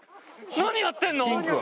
・何やってんの？